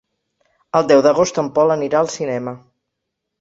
El deu d'agost en Pol anirà al cinema.